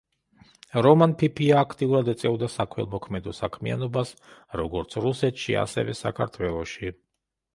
რომან ფიფია აქტიურად ეწეოდა საქველმოქმედო საქმიანობას როგორც რუსეთში, ასევე საქართველოში.